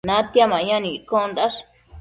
natia mayan iccondash